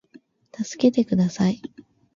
たすけてください